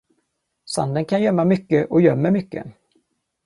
Sanden kan gömma mycket och gömmer mycket.